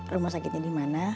rumah sakitnya dimana